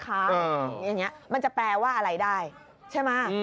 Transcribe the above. คือเป็น